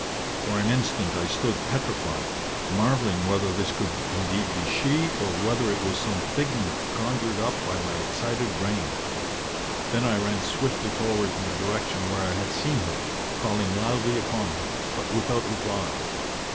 For an instant I stood petrified, marvelling whether this could indeed be she, or whether it was some figment conjured up by my excited brain. Then I ran swiftly forward in the direction where I had seen her, calling loudly upon her, but without reply.